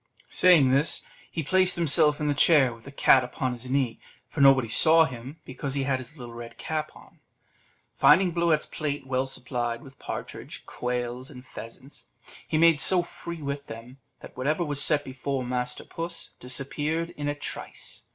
Saying this, he placed himself in the chair with the cat upon his knee, for nobody saw him, because he had his little red cap on; finding Bluet's plate well supplied with partridge, quails, and pheasants, he made so free with them, that whatever was set before master puss disappeared in a trice.